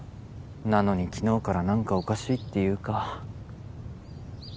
なのに昨日からなんかおかしいっていうか。